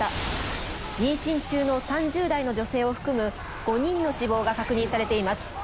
妊娠中の３０代の女性を含む５人の死亡が確認されています。